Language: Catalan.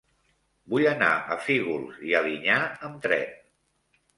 Vull anar a Fígols i Alinyà amb tren.